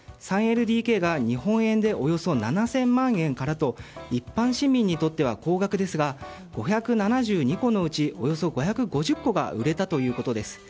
３ＬＤＫが日本円でおよそ７０００万円からと一般市民にとっては高額ですが、５７２戸のうちおよそ５５０戸が売れたということです。